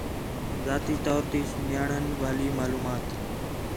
ذاتی طور تی سُن٘ڄاݨن والی معلومات